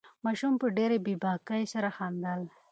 ماشوم په ډېرې بې باکۍ سره خندل.